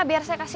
biar saya kasih